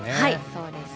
そうです。